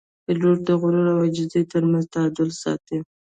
پیلوټ د غرور او عاجزۍ ترمنځ تعادل ساتي.